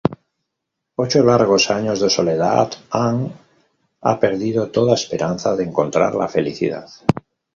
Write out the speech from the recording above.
Ocho largos años de soledad, Anne ha perdido toda esperanza de encontrar la felicidad.